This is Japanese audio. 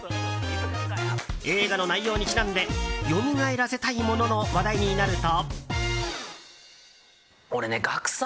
映画の内容にちなんでよみがえらせたいものの話題になると。